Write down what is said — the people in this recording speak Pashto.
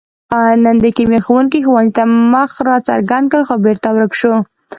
نن د کیمیا ښوونګي ښوونځي ته مخ را څرګند کړ، خو بېرته ورک شو.